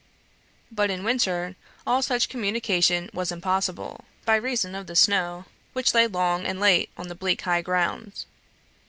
But in winter, all such communication was impossible, by reason of the snow which lay long and late on the bleak high ground.